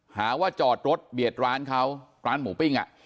หาว่าจอดรถเบียดร้านเขาร้านหมูปิ้งอ่ะ